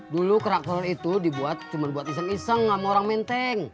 dulu kerak telur itu dibuat cuma buat iseng iseng sama orang menteng